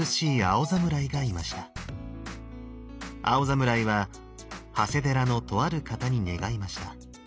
青侍は長谷寺の「とある方」に願いました。